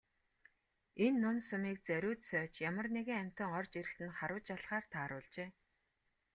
Энэ нум сумыг зориуд сойж ямар нэгэн амьтан орж ирэхэд нь харваж алахаар тааруулжээ.